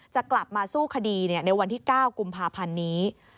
จะกลับมาสู้คดีในวันที่๙กุมภาพันธ์นี้